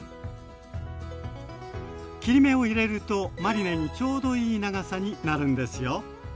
切り目を入れるとマリネにちょうどいい長さになるんですよ。